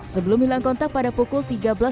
sebelum hilang kontak pada pukul tiga belas tiga puluh